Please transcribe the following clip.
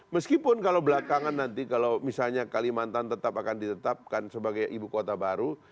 meskipun kalau belakangan nanti kalau misalnya kalimantan tetap akan ditetapkan sebagai ibu kota baru